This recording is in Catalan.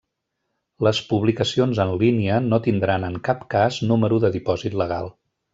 Les publicacions en línia no tindran en cap cas número de dipòsit legal.